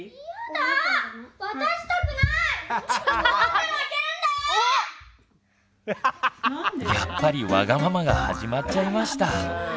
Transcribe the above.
でもやっぱりワガママが始まっちゃいました。